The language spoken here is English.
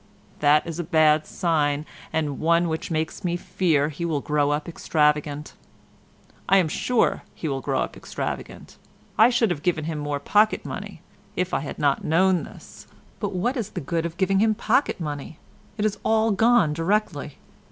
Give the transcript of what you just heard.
That is a bad sign and one which makes me fear he will grow up extravagant. I am sure he will grow up extravagant. I should have given him more pocket money if I had not known this—but what is the good of giving him pocket money? It is all gone directly.